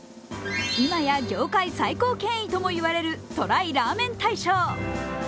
今や業界最高権威とも言われるＴＲＹラーメン大賞。